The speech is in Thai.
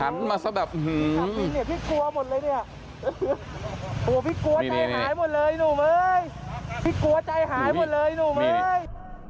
น้มที่ขับวินเนี่ยพี่กลัวหมดเลยเนี่ย